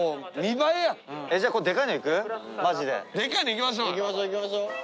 いきましょういきましょう。